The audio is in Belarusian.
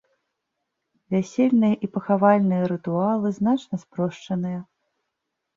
Вясельныя і пахавальныя рытуалы значна спрошчаныя.